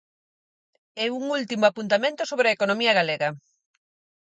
E un último apuntamento sobre a economía galega.